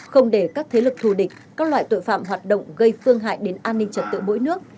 không để các thế lực thù địch các loại tội phạm hoạt động gây phương hại đến an ninh trật tự mỗi nước